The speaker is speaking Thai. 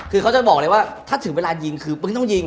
คือเขาจะบอกเลยว่าถ้าถึงเวลายิงคือมึงต้องยิง